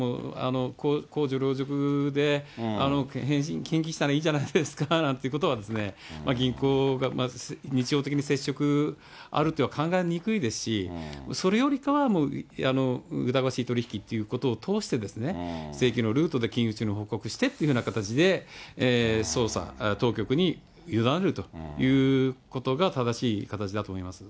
公序良俗でしたらいいじゃないですかということは、銀行がまず、日常的に接触あるとは考えにくいですし、それよりは疑わしい取り引きということを通して、正規のルートで金融庁に報告してっていう形で捜査、当局に委ねるということが正しい形だと思います。